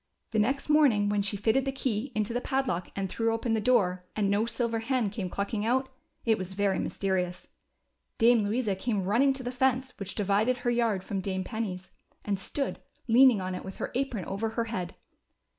The next morning when she fitted the key into the padlock and threw open the door, and no silver hen came clucking out, it was very mysterious. Dame Louisa came running to the fence which divided her yard from Dame Penny's, and stood leaning on it with her apron over her head.